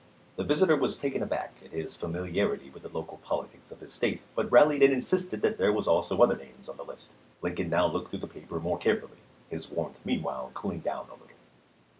The visitor was taken aback at this familiarity with the local politics of his State, but rallied and insisted that there were also other names on the list. Lincoln now looked through the paper more carefully, his warmth meanwhile cooling down a little.